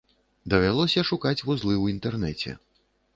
Давялося шукаць вузлы ў інтэрнэце.